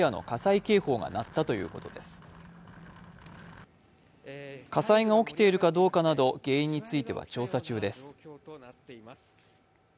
火災が起きているかどうかなど原因については調査中です